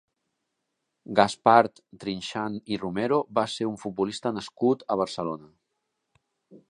Gaspar Trinxant i Romero va ser un futbolista nascut a Barcelona.